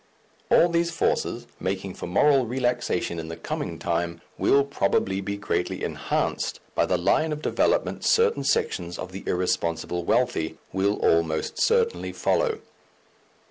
All these forces, making for moral relaxation in the coming time, will probably be greatly enhanced by the line of development certain sections of the irresponsible wealthy will almost certainly follow.